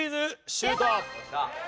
シュート！